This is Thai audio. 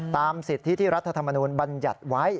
ตามสิทธิที่ที่รัฐธรรมนุนบัญญัติไว้